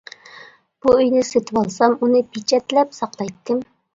بۇ ئۆينى سېتىۋالسام، ئۇنى پېچەتلەپ ساقلايتتىم.